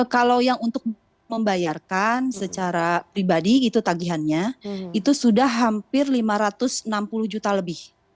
kalau yang untuk membayarkan secara pribadi itu tagihannya itu sudah hampir lima ratus enam puluh juta lebih